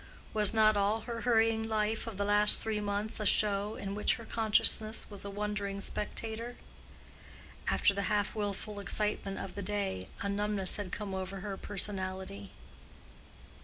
Was not all her hurrying life of the last three months a show, in which her consciousness was a wondering spectator? After the half willful excitement of the day, a numbness had come over her personality.